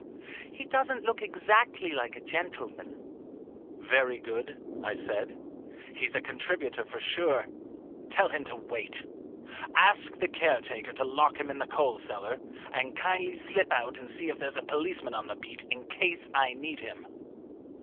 "He doesn't look exactly like a gentleman." "Very good," I said. "He's a contributor for sure. Tell him to wait. Ask the caretaker to lock him in the coal cellar, and kindly slip out and see if there's a policeman on the beat in case I need him."